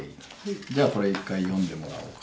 じゃあこれ一回読んでもらおうか。